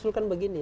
saya akan begini